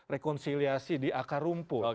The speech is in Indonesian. rekonsiliasi di akar rumput